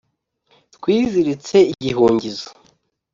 twiziritse igihungizo,